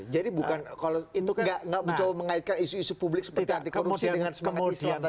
jadi bukan kalau nggak mencoba mengaitkan isu isu publik seperti anti korupsi dengan semangat islam tadi mas